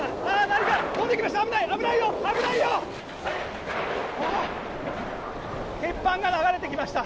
何か飛んできました！